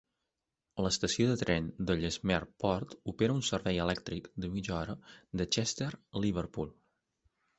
L'estació de tren d'Ellesmere Port opera un servei elèctric de mitja hora de Chester a Liverpool.